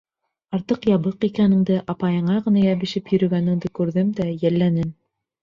Артыҡ ябыҡ икәнеңде, апайыңа ғына йәбешеп йөрөгәнеңде күрҙем дә, йәлләнем.